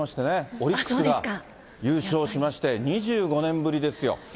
オリックスが優勝しまして、２５年ぶりですよ。